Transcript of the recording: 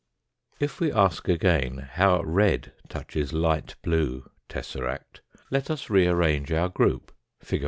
If we ask again how red touches light blue tesseract, let us rearrange our group, fig.